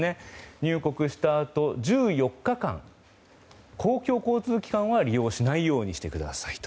入国したあと１４日間公共交通機関は利用しないようにしてくださいと。